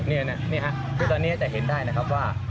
นี่นะตอนนี้จะเห็นได้ว่า